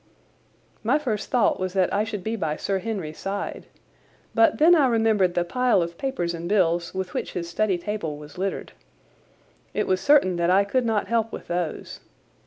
My first thought was that I should be by Sir Henry's side. But then I remembered the pile of papers and bills with which his study table was littered. It was certain that I could not help with those.